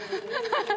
ハハハ